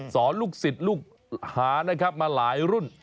สอนลูกสินลูกหามาหลายรุ่น